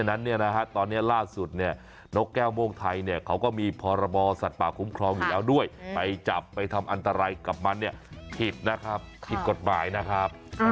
อะไรกลับมาเนี่ยผิดนะครับผิดกฎหมายนะครับ